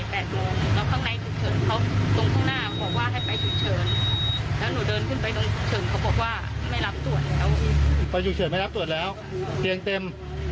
ไปอยู่เฉยไม่รับตรวจแล้วเตียงเต็ม